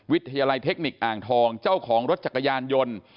วิทยาลัยเทคนิคอ่างทองเจ้าของรถจักรยานยนต์